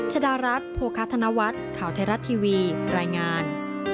ชดารัฐโภคาธนวัฒน์ข่าวไทยรัฐทีวีรายงาน